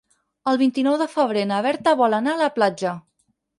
El vint-i-nou de febrer na Berta vol anar a la platja.